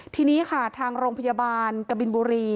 ทีนี้ค่ะทางโรงพยาบาลกบินบุรี